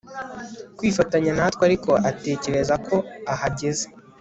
kwifatanya natwe ariko atekereza ko ahageze